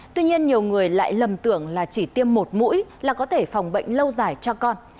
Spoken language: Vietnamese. tuy nhiên nhiều người lại lầm tưởng là chỉ tiêm một mũi là có thể phòng bệnh lâu dài cho con